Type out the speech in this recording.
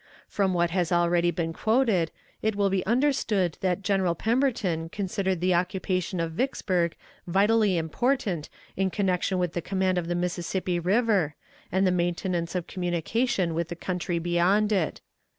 From what has already been quoted, it will be understood that General Pemberton considered the occupation of Vicksburg vitally important in connection with the command of the Mississippi River, and the maintenance of communication with the country beyond it.